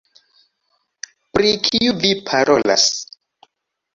Pri kiu vi parolas?